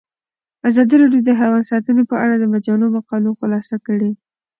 ازادي راډیو د حیوان ساتنه په اړه د مجلو مقالو خلاصه کړې.